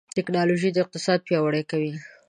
ټکنالوژي اقتصاد پیاوړی کوي.